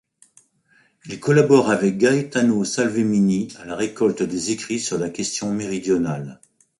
Il collabore avec Gaetano Salvemini à la récolte des écrits sur la question méridionale.